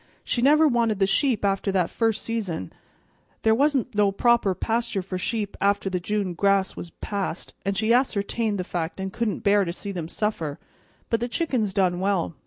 "She never wanted the sheep after that first season. There wa'n't no proper pasture for sheep after the June grass was past, and she ascertained the fact and couldn't bear to see them suffer; but the chickens done well.